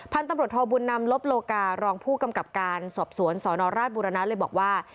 พันธุ์ตำรวจโทบุญนำลบโลการองผู้กำกับการสอบสวนสนราชบุรณะเลยบอกว่า